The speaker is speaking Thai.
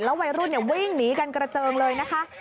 แล้ววัยรุ่นเนี่ยวิ่งหนีกันกระเจิงเลยนะคะ